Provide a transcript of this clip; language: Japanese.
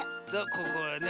ここをね